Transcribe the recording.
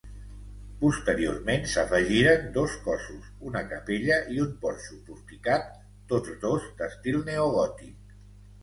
Posteriorment s'afegiren dos cossos, una capella i un porxo porticat, tots dos d'estil neogòtic.